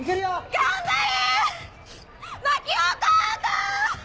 頑張れ！